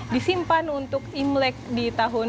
disimpan untuk imlek di tahun